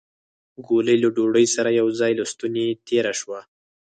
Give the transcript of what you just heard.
ګولۍ له ډوډۍ سره يو ځای له ستونې تېره شوه.